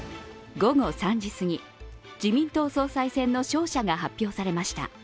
午後３時すぎ、自民党総裁選の勝者が発表されました。